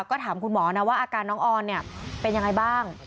ก็ถามคุณหมอนะว่าอาการน้องออนเนี่ยเป็นยังไงบ้าง